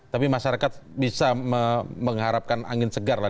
tapi masyarakat bisa mengharapkan angin segar lah